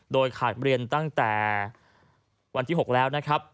โดยขาดเรียนตั้งแต่วันที่๖แล้วนะครับ